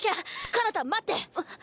かなた待って！